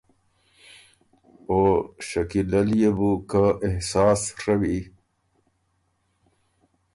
او شکیلۀ ليې بو که احساس ڒوی،